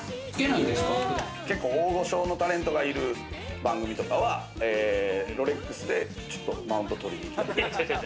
結構、大御所のタレントがいる番組とかは、ロレックスで、ちょっとマウントを取りに行く。